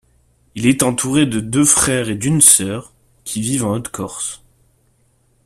Il est entouré de deux frères et d'une sœur, qui vivent en Haute-Corse.